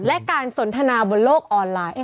และการสนทนาบนโลกออนไลน์